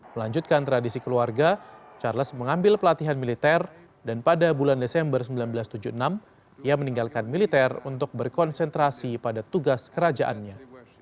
melanjutkan tradisi keluarga charles mengambil pelatihan militer dan pada bulan desember seribu sembilan ratus tujuh puluh enam ia meninggalkan militer untuk berkonsentrasi pada tugas kerajaannya